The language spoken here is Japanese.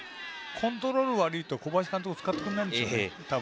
コントロールが悪いと小林監督は使ってくれませんから。